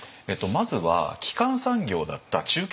まずは基幹産業だった中継